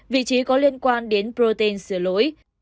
vị trí có liên quan đến protein sửa lỗi